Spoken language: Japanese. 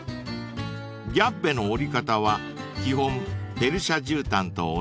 ［ギャッベの織り方は基本ペルシャじゅうたんと同じ］